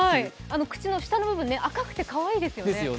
口の下の部分、赤くてかわいいですよね。